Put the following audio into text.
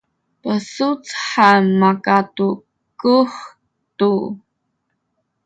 besuc han makatukuh tu